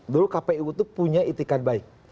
dulu kpu itu punya itikat baik